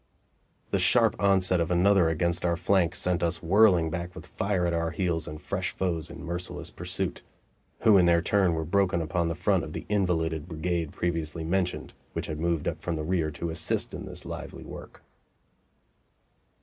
The sharp onset of another against our flank sent us whirling back with fire at our heels and fresh foes in merciless pursuit who in their turn were broken upon the front of the invalided brigade previously mentioned, which had moved up from the rear to assist in this lively work.